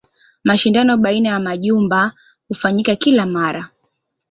Mashindano baina ya majumba hufanyika kila mara.